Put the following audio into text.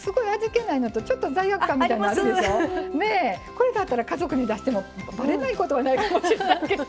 これだったら家族に出してもバレないことはないかもしらんけど。